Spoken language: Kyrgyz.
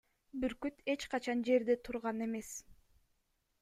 Бүркүт эч качан жерде турган эмес.